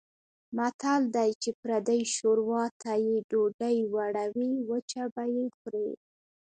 متل دی: چې پردۍ شوروا ته یې ډوډۍ وړوې وچه به یې خورې.